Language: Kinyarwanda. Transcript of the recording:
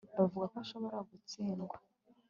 Bavuga ko ashobora gutsindwa